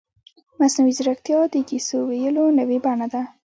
مصنوعي ځیرکتیا د کیسو ویلو نوې بڼه ده.